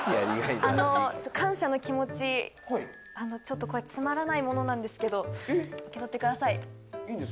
あの感謝の気持ちちょっとこれつまらないものなんですけど受け取ってください。